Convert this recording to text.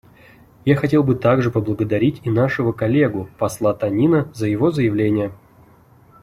Я хотел бы также поблагодарить и нашего коллегу посла Танина за его заявление.